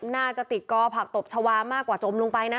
น่าจะติดกอผักตบชาวามากกว่าจมลงไปนะ